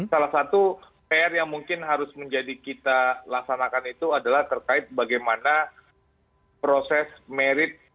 salah satu pr yang mungkin harus menjadi kita laksanakan itu adalah terkait bagaimana proses merit